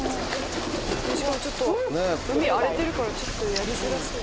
しかもちょっと海荒れてるからやりづらそう。